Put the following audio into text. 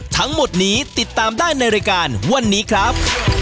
ทั้งหมดนี้ติดตามได้ในรายการวันนี้ครับ